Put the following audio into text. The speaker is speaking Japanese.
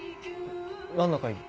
何の会議？